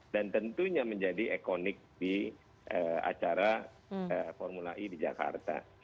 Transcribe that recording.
dan tentunya menjadi ekonik di acara formula e di jakarta